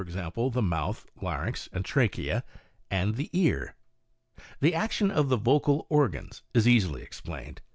e„ the mouth, larynx and trachea— and the ear. The action of the vocal organs is easily explained.